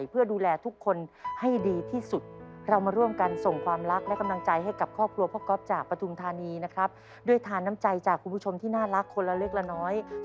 เอาล่ะครับเกมต่อชีวิตออกไปแล้วถึง๓กล่อง